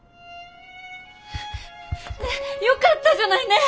よかったじゃない！ねえ！